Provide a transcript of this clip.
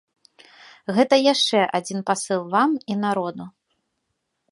Гэта яшчэ адзін пасыл вам і народу.